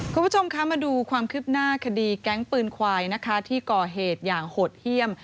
คุณผู้ชมคะมาดูความคืบหน้าคดีแก๊งปืนควายนะคะที่ก่อเหตุอย่างโหดเยี่ยม